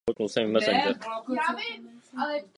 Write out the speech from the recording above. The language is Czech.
Do konference a jejích závěrů byly vkládány značné naděje.